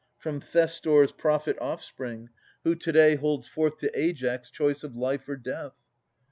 From Thestor's prophet offspring, who to day Holds forth to Aias choice of life or death.